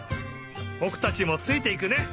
ぼくたちもついていくね！